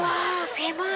狭い。